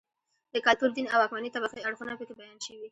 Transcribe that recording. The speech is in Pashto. د کلتور، دین او واکمنې طبقې اړخونه په کې بیان شوي